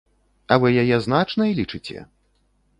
А вы яе значнай лічыце?